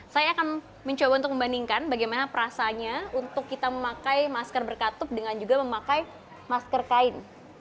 saya akan mencoba untuk membandingkan bagaimana perasanya untuk kita memakai masker berkatup dengan juga memakai masker kain